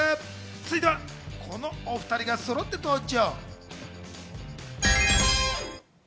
続いてはこのお２人がそろって登場。